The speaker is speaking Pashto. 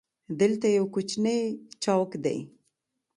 دلته یو کوچنی چوک دی.